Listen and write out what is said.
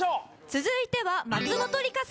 続いては松本梨香さんです。